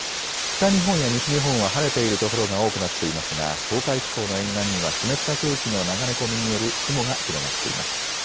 北日本や西日本は晴れている所が多くなっていますが東海地方の沿岸には湿った空気の流れ込みによる雲が広がっています。